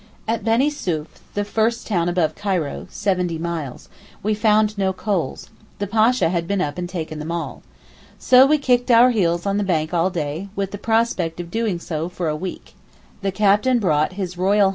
At Benisouef, the first town above Cairo (seventy miles), we found no coals: the Pasha had been up and taken them all. So we kicked our heels on the bank all day, with the prospect of doing so for a week. The captain brought H.R.H.